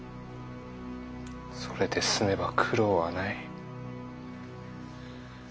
それで済めば苦労はない。